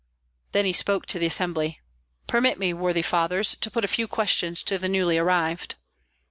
Then he spoke to the assembly, "Permit me, worthy fathers, to put a few questions to the newly arrived."